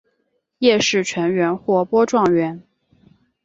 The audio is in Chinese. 叶纸全缘或波状缘。